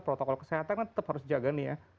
protokol kesehatan kan tetap harus dijaga nih ya